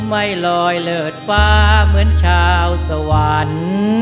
ไม่ลอยเลิศฟ้าเหมือนชาวสวรรค์